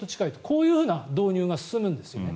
こういうふうな導入が進むんですよね。